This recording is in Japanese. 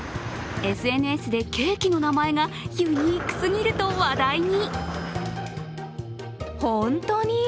ＳＮＳでケーキの名前がユニークすぎると話題に。